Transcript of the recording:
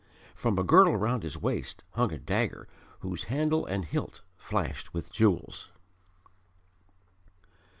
From a girdle round his waist hung a dagger whose handle and hilt flashed with jewels.